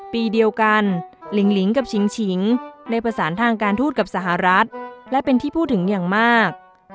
ปีเดียวกันหลิงลิงกับฉิงฉิงได้ประสานทางการทูตกับสหรัฐและเป็นที่พูดถึงอย่างมาก